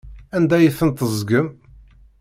Anda ay tent-teẓẓgem?